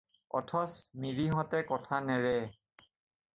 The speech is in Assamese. অথচ মিৰিহঁতে কথা নেৰে।